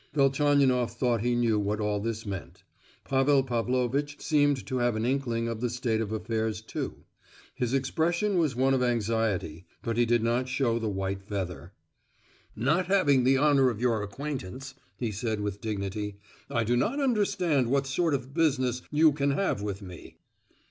Velchaninoff thought he knew what all this meant; Pavel Pavlovitch seemed to have an inkling of the state of affairs, too. His expression was one of anxiety, but he did not show the white feather. "Not having the honour of your acquaintance," he said with dignity, "I do not understand what sort of business you can have with me."